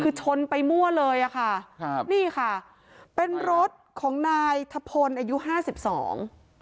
คือชนไปมั่วเลยอ่ะค่ะครับนี่ค่ะเป็นรถของนายทะพลอายุห้าสิบสอง